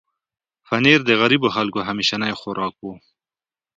پنېر د غریبو خلکو همیشنی خوراک و.